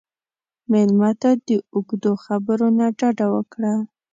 مېلمه ته د اوږدو خبرو نه ډډه وکړه.